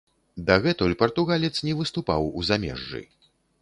Дагэтуль партугалец не выступаў у замежжы.